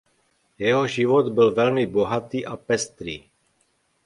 Jeho život byl velmi bohatý a pestrý.